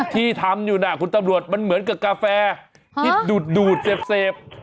ที่ทำอยู่นะคุณตำรวจมันเหมือนกับกาแฟที่ดูดเสพ